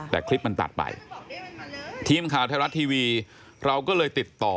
แต่คลิปมันตัดไปทีมข่าวไทยรัฐทีวีเราก็เลยติดต่อ